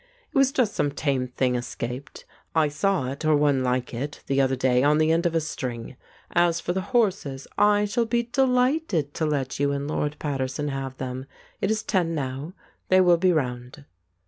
"It was just some tame thing escaped. I saw it, or one like it, the other day on the end of a string. As for the horses, I shall be delighted to let you and Lord Paterson have them. It is ten now; they will be round."